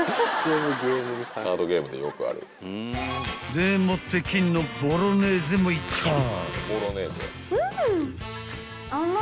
［でもって金のボロネーゼもいっちゃう］